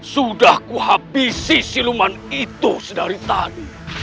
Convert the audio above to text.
sudah kuhabisi siluman itu sedari tadi